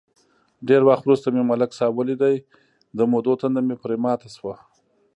ډېر وخت ورسته مې ملک صاحب ولید، د مودو تنده مې پرې ماته شوه.